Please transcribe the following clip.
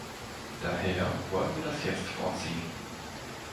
Daher wollen wir das jetzt vorziehen.